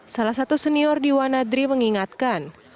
salah satu senior di wanadri mengingatkan